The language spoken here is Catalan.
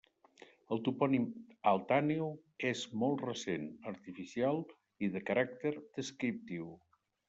El topònim Alt Àneu és molt recent, artificial i de caràcter descriptiu.